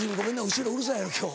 後ろうるさいやろ今日。